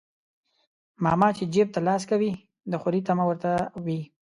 ماما چى جيب ته لاس کوى د خورى طعمه ورته وى.